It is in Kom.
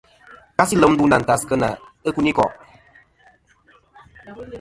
Kasi lem ndu nɨ̀ àntas kena ikunikò'.